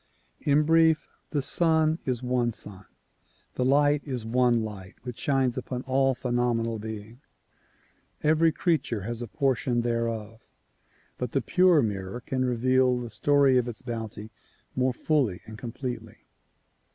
In brief ; the sun is one sun, the light is one light which shines upon all phenomenal being. Every creature has a portion there of, but the pure mirror can reveal the story of its bounty more fully and completely.